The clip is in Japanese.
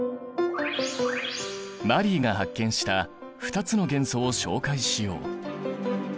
マリーが発見した２つの元素を紹介しよう。